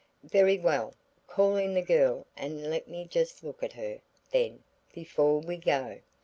"Very well; call in the girl and let me just look at her, then, before we go.